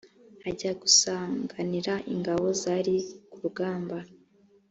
ajya gusanganira ingabo zari kurugamba